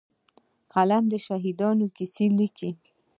قلم د شهیدانو کیسې لیکي